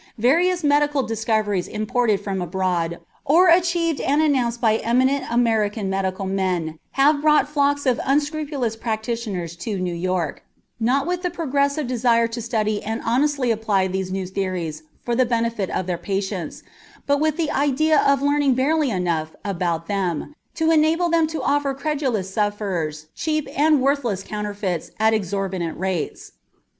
Various medical discoveries imported from abroad or achieved and announced by eminent American medical men have brought flocks of unscrupulous practitioners to New York, not with the progressive desire to study and honestly apply these new theories for the benefit of their patients, but with the idea of learning barely enough about them to enable them to offer credulous sufferers cheap and worthless counterfeits at exorbitant rates.